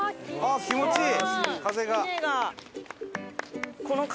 風気持ちいい。